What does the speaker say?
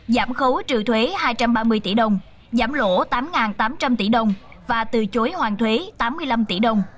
giảm khấu trừ thuế hai trăm ba mươi tỷ đồng giảm lỗ tám tám trăm linh tỷ đồng và từ chối hoàn thuế tám mươi năm tỷ đồng